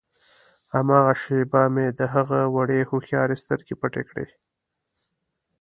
هماغه شېبه مې د هغه وړې هوښیارې سترګې پټې کړې.